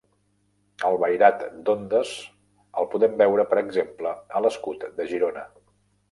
El vairat d'ondes el podem veure, per exemple, a l'escut de Girona.